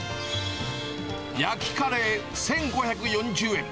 焼きカレー１５４０円。